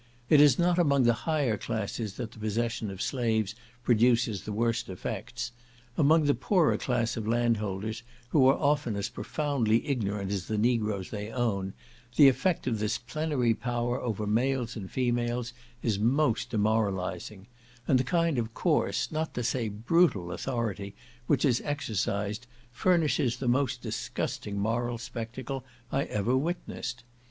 It is not among the higher classes that the possession of slaves produces the worst effects. Among the poorer class of landholders, who are often as profoundly ignorant as the negroes they own, the effect of this plenary power over males and females is most demoralising; and the kind of coarse, not to say brutal, authority which is exercised, furnishes the most disgusting moral spectacle I ever witnessed.